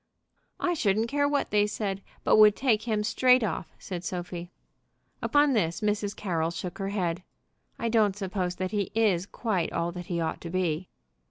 "I shouldn't care what they said, but would take him straight off," said Sophie. Upon this Mrs. Carroll shook her head. "I don't suppose that he is quite all that he ought to be."